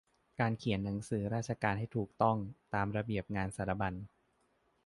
การเขียนหนังสือราชการให้ถูกต้องตามระเบียบงานสารบรรณ